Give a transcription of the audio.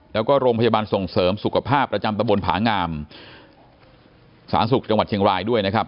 แล้วก็โรงพยาบาลส่งเสริมสุขภาพประจำตะบนผางามสาธารณสุขจังหวัดเชียงรายด้วยนะครับ